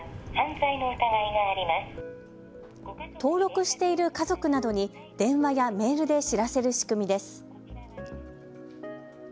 登録している家族などに電話やメールで知らせる仕組みです。